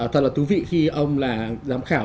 thật là thú vị khi ông là giám khảo